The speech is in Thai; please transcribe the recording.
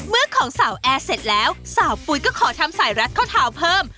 ของสาวแอร์เสร็จแล้วสาวปุ๋ยก็ขอทำสายรัดข้อเท้าเพิ่ม